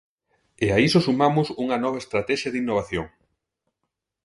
E a iso sumamos unha nova estratexia de innovación.